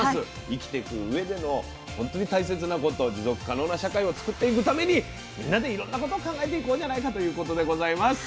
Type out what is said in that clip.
生きていくうえでの本当に大切なこと持続可能な社会を作っていくためにみんなでいろんなことを考えていこうじゃないかということでございます。